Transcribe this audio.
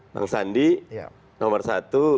bang sandi nomor satu